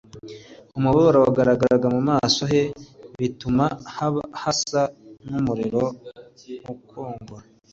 Umubabaro wagaragaraga mu maso he bituma hasa n'umuriro ukongora.